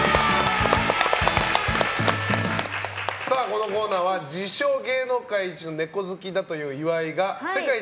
このコーナーは自称芸能界イチのネコ好きという岩井が世界一